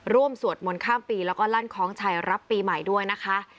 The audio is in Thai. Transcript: ร่วมสวดมนว์ข้ามปีและลั่นของชายรับปีใหม่ด้วยนะคะ